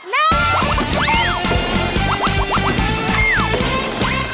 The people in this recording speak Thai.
ได้